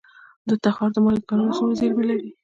د تخار د مالګې کانونه څومره زیرمې لري؟